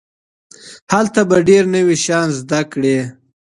هلته به ډېر نوي شيان زده کړئ.